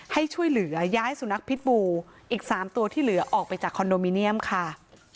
ให้ช่วยเหลือย้ายสุนัขพิษบูอีก๓ตัวที่เหลือออกไปจากคอนโดมิเนียมค่ะ